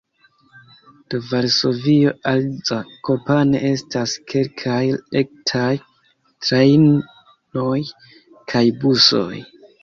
De Varsovio al Zakopane estas kelkaj rektaj trajnoj kaj busoj.